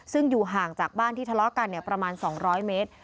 ซึ่งอยู่ห่างจากบ้านที่ทะเลาะกันประมาณ๒๐๐เมตร